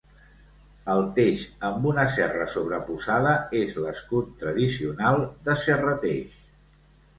El teix amb una serra sobreposada és l'escut tradicional de Serrateix.